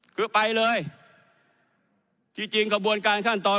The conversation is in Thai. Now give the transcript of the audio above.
คือไปเลยที่จริงกระบวนการขั้นตอน